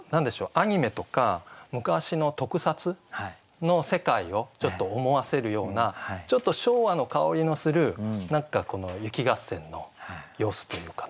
アニメとか昔の特撮の世界をちょっと思わせるようなちょっと昭和の薫りのする何かこの雪合戦の様子というかね